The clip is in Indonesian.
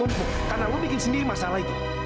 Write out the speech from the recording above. lu bertumbuh karena lu bikin sendiri masalah itu